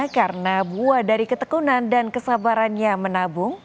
karena buah dari ketekunan dan kesabarannya menabung